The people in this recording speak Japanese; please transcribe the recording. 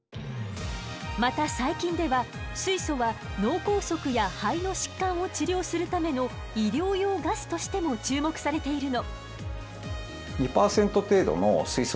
また最近では水素は脳梗塞や肺の疾患を治療するための医療用ガスとしても注目されているの。